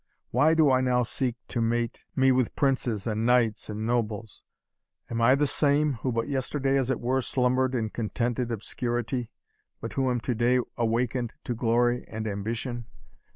Why do I now seek to mate me with princes, and knights, and nobles? Am I the same, who but yesterday, as it were, slumbered in contented obscurity, but who am to day awakened to glory and ambition?